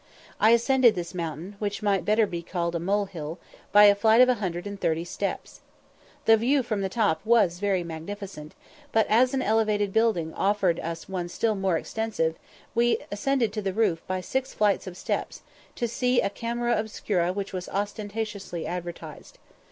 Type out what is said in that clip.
I ascended this mountain, which might better be called a molehill, by a flight of a hundred and thirty steps. The view from the top was very magnificent, but, as an elevated building offered us one still more extensive, we ascended to the roof by six flights of steps, to see a camera obscura which was ostentatiously advertised.